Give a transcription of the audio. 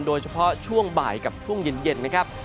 โดยเฉพาะช่วงบ่ายกับช่วงเย็นนะครับ